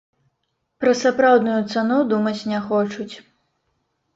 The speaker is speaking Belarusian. Пра сапраўдную цану думаць не хочуць.